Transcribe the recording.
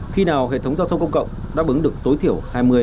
khi nào hệ thống giao thông công cộng đáp ứng được tối thiểu hai mươi ba mươi